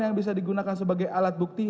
yang bisa digunakan sebagai alat bukti